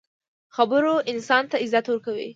خبرو انسان ته عزت ورکوي.